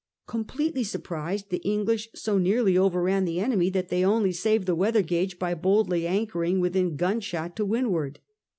Completely surprised, the English so nearly overran the enemy that they only saved the weather gage by boldly anchoring within gun shot to windward.